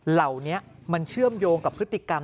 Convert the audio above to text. เหล่านี้มันเชื่อมโยงกับพฤติกรรม